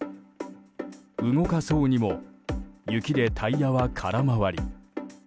動かそうにも雪でタイヤは空回り。